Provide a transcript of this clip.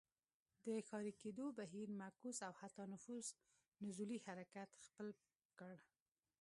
د ښاري کېدو بهیر معکوس او حتی نفوس نزولي حرکت خپل کړ.